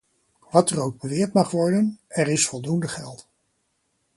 Wat er ook beweerd mag worden: er is voldoende geld!